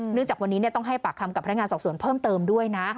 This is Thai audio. เนื่องจากวันนี้ต้องให้ปากคำกับพยายามงานศอกส่วนเพิ่มเติมด้วยนะ